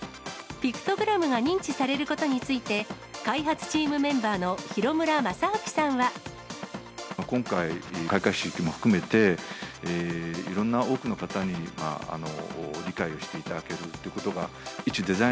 ピクトグラムが認知されることについて、開発チームメンバーの廣村正彰さんは。今回、開会式も含めて、いろんな多くの方に理解をしていただけるということが、一デザイ